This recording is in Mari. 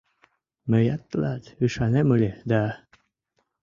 — Мыят тылат ӱшанем ыле да...